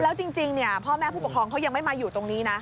แล้วจริงพ่อแม่ผู้ปกครองเขายังไม่มาอยู่ตรงนี้นะ